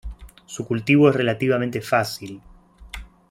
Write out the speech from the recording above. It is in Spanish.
Su cultivo es relativamente fácil.